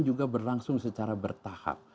juga berlangsung secara bertahap